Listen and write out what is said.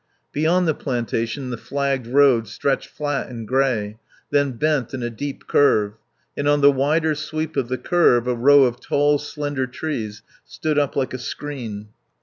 Beyond the plantation the flagged road stretched flat and grey, then bent in a deep curve, and on the wider sweep of the curve a row of tall, slender trees stood up like a screen.